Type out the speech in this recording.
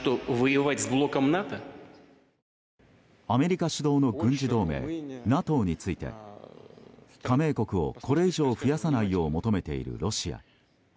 アメリカ主導の軍事同盟ＮＡＴＯについて加盟国をこれ以上増やさないよう求めているロシア。